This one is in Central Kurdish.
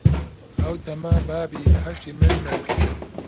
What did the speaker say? ئەو دەمە بابی بەهەشتی من مرد